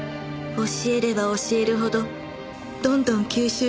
教えれば教えるほどどんどん吸収してくれるの。